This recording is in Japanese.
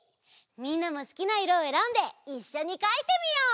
みんなもすきないろをえらんでいっしょにかいてみよう！